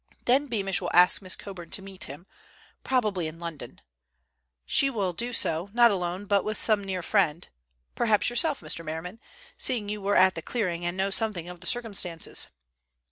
Then Beamish will ask Miss Coburn to meet him, probably in London. She will do so, not alone, but with some near friend, perhaps yourself, Mr. Merriman, seeing you were at the clearing and know something of the circumstances.